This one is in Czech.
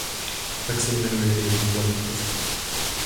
Tak se jmenuje i jedna z hlavních postav.